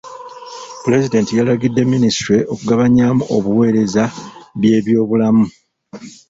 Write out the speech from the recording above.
Pulezidenti yalagidde minisitule okugabanyaamu obuweereza by'ebyobulamu.